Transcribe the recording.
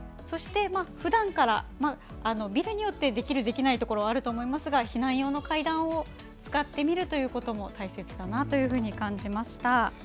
そしてふだんからビルによってできるできないところあると思いますが避難用の階段を使ってみることも大切かなというふうに感じました。